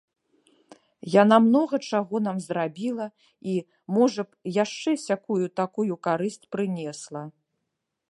Яна многа чаго нам зрабіла і, можа б, яшчэ сякую-такую карысць прынесла.